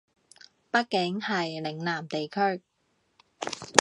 畢竟係嶺南地區